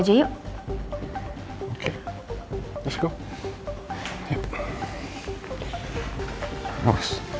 ya tuhan rust maya